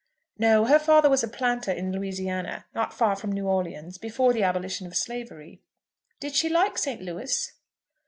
"No; her father was a planter in Louisiana, not far from New Orleans, before the abolition of slavery." "Did she like St. Louis?"